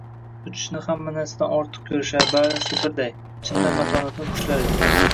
Uchishni hamma narsadan ortiq ko‘rishar, barisi birday — chindan matonatli qushlar edi.